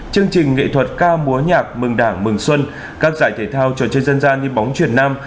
chương trình nghệ thuật ca múa nhạc mừng đảng mừng xuân các giải thể thao trò chơi dân gian như bóng truyền nam